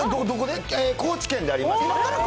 高知県でありまして。